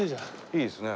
いいですね。